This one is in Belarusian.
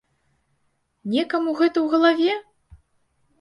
Некаму гэта ў галаве?!